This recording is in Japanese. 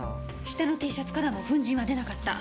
下のＴシャツからも粉塵は出なかった。